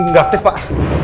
gak aktif pak